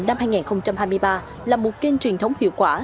năm hai nghìn hai mươi ba là một kênh truyền thống hiệu quả